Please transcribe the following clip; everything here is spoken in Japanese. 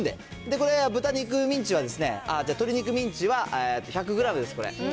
これ、豚肉、ミンチは、じゃない、鶏肉ミンチは１００グラムです、これ。